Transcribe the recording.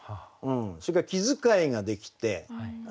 それから気遣いができて。